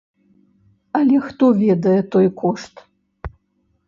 Але хто ведае той кошт?